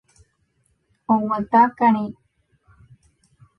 Oguata karẽ.